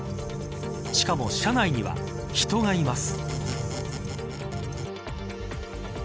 しかも、車内には人がいます。